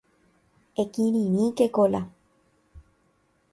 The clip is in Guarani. Ekirirĩke Kola